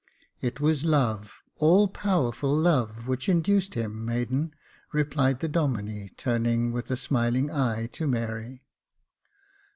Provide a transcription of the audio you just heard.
"It was love, all powerful love, which induced him, maiden," replied the Domine, turning, with a smiling eye, to Mary.